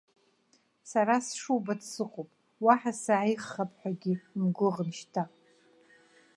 Сара сшубац сыҟоуп, уаҳа сааиӷьхап ҳәагьы умгәыӷын шьҭа.